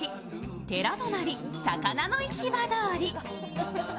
寺泊魚の市場通り。